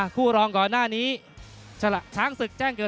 คู่รองก่อนหน้านี้ช้างศึกแจ้งเกิด